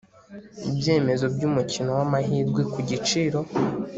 ibyemezo by umukino w amahirwe ku giciro